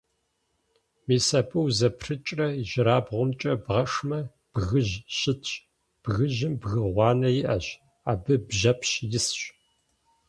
Мис абы узэпрыкӀрэ ижьырабгъумкӀэ бгъэшмэ, бгыжь щытщ, бгыжьым бгы гъуанэ иӀэщ, абы бжьэпщ исщ.